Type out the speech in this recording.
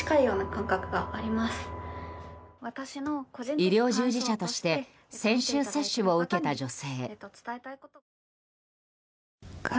医療従事者として先週、接種を受けた女性。